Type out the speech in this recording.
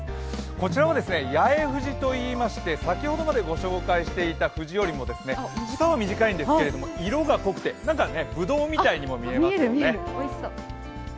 こちらは八重藤と言いまして、先ほどまでご紹介していた藤よりも房は短いんですけど色は濃くてぶどうみたいに見えますね。